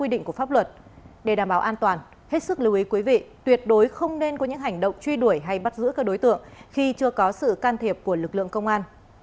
để đảm bảo an toàn hết sức lưu ý quý vị tuyệt đối không nên có những hành động truy đuổi hay bắt giữ các đối tượng khi chưa có sự can thiệp của lực lượng công an